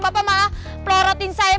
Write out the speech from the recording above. bapak malah pelorotin saya